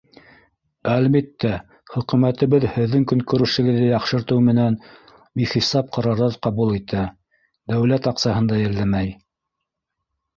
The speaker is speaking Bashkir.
Әлбиттә, Хөкүмәтебеҙ һеҙҙең көнкүрешегеҙҙе яҡшыртыу менән бихисап ҡарарҙар ҡабул итә, дәүләт аҡсаһын да йәлләмәй.